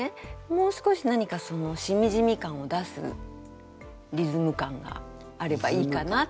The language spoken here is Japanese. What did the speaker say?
もう少し何かしみじみ感を出すリズム感があればいいかなと思って。